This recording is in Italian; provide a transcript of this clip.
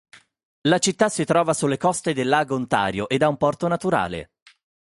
La città si trova sulle coste del Lago Ontario ed ha un porto naturale.